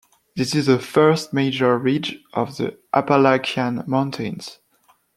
This is the first major ridge of the Appalachian mountains.